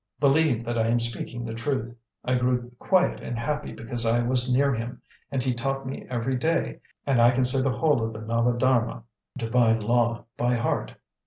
believe that I am speaking the truth. I grew quiet and happy because I was near him, and he taught me every day, and I can say the whole of the Nava d'harma (Divine Law) by heart.